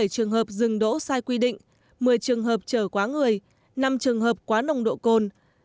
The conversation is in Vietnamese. hai mươi bảy trường hợp dừng đỗ sai quy định một mươi trường hợp trở quá người năm trường hợp quá nồng độ cồn